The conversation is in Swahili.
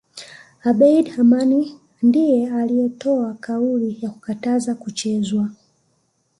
Abeid Amani Karume ndiye aliyetoa kauli kukataza kuchezwa